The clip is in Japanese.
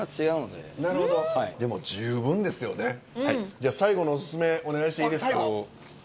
じゃあ最後のオススメお願いしていいですか？